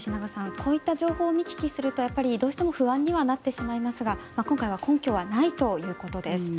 こういった情報を見聞きするとどうしても不安にはなってしまいますが今回は根拠はないということです。